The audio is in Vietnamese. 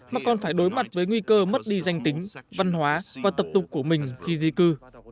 mà còn phải đối mặt với nguy cơ mất đi danh tính văn hóa và tập tục của mình khi di cư